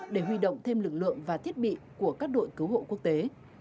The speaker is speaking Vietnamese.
để huy động thêm lực lượng và thiết bị của các đội cứu hộ quốc tế